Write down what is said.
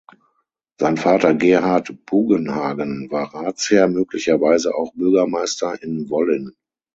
Sein Vater Gerhard Bugenhagen war Ratsherr, möglicherweise auch Bürgermeister, in Wollin.